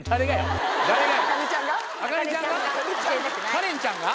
カレンちゃんが？